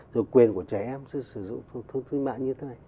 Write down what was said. rồi quyền của trẻ em chưa sử dụng thông tin mạng như thế này